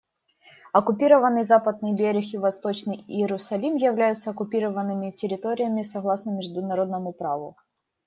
Оккупированный Западный берег и Восточный Иерусалим являются оккупированными территориями, согласно международному праву.